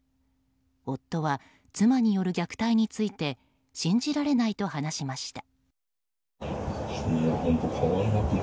夫は妻による虐待について信じられないと話しました。